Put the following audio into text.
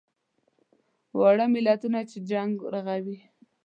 واړه ملتونه چې جنګ رغوي.